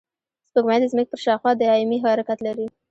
سپوږمۍ د ځمکې پر شاوخوا دایمي حرکت لري